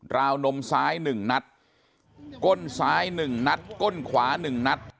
ราวนมซ้ายหนึ่งนัดก้นซ้ายหนึ่งนัดก้นขวาหนึ่งนัด